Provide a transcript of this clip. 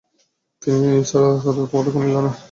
তিনি ছাড়া তোমাদের অন্য কোন ইলাহ নেই।